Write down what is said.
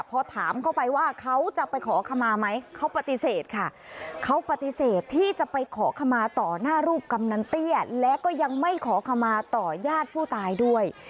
พอถามเข้าไปว่าเขาจะไปขอขมาไหมเขาปฏิเสธค่ะเขาปฏิเสธที่จะไปขอขมาต่อหน้ารูปกำนันเตี้ยและก็ยังไม่ขอขมาต่อญาติผู้ตายด้วย